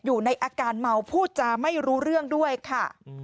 อยู่ในอาการเมาพูดจาไม่รู้เรื่องด้วยค่ะ